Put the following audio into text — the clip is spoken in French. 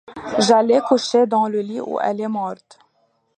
J’allais coucher dans le lit où elle est morte.